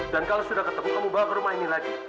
dan kalau sudah ketemu kamu bawa ke rumah ini lagi